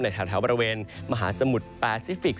ในแถวบริเวณมหาสมุทรปาซิฟิกซ์